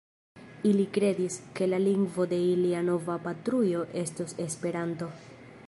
Ili kredis, ke la lingvo de ilia nova patrujo estos Esperanto.